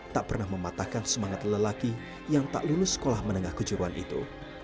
tak pernah mematahkan semangat lelaki yang tak lulus sekolah menengah kejuruan itu